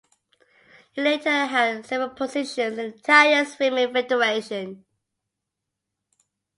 He later held several positions in the Italian Swimming Federation.